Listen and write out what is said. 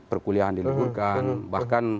perkuliahan diliburkan bahkan